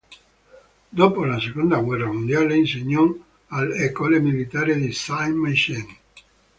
Dopo la Seconda Guerra Mondiale, insegnò all"'école militaire" di Saint-Maixent.